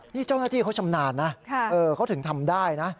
นี่เจ้าหน้าที่เขาชำนาญนะเขาถึงทำได้นะ